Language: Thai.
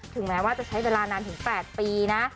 แม้ว่าจะใช้เวลานานถึง๘ปีนะ